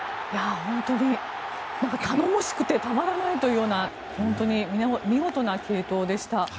頼もしくてたまらないというような見事な継投でした。